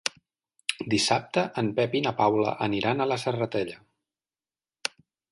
Dissabte en Pep i na Paula aniran a la Serratella.